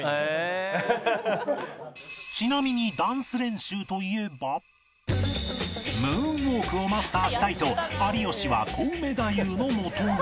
ちなみにムーンウォークをマスターしたいと有吉はコウメ太夫のもとに